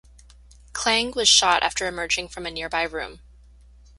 Klang was shot after emerging from a nearby room.